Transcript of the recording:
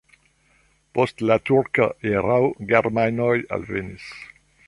Post la turka erao germanoj alvenis.